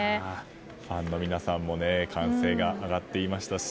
ファンの皆さんも歓声が上がっていましたし。